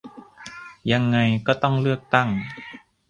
ยังไงก็ต้องเลือกตั้ง